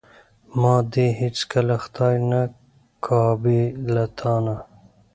ما دې هیڅکله خدای نه کا بې له تانه.